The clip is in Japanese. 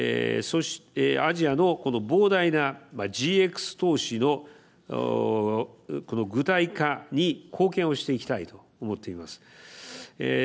アジアの膨大なＧＸ投資の具体化に貢献をしていきたいと思っています。